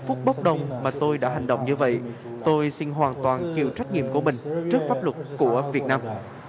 phút bốc đồng mà tôi đã hành động như vậy tôi xin hoàn toàn chịu trách nhiệm của mình trước pháp luật của việt nam